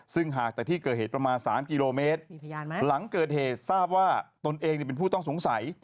ซึ่งห่างจากที่เกิดเหตุประมาณ๓กิโลเมตรหลังเกิดเหตุทราบว่าตนเองเป็นผู้ต้องสงสัย